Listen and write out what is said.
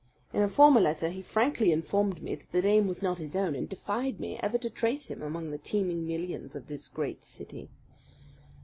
In a former letter he frankly informed me that the name was not his own, and defied me ever to trace him among the teeming millions of this great city.